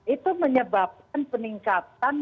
itu menyebabkan peningkatan